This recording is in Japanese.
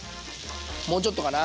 もうちょっとかな。